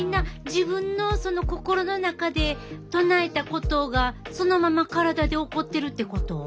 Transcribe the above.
自分のその心の中で唱えたことがそのまま体で起こってるってこと？